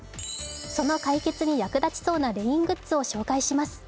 その解決に役立ちそうなレイングッズを紹介します。